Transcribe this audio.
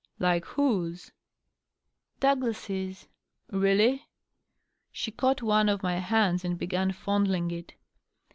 "Like whose?" "Douglas's." "Eeally?" She caught one of my hands and began fondling it.